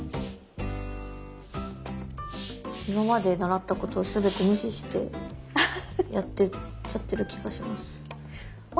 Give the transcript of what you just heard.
今まで習ったことをすべて無視してやっちゃってる気がします。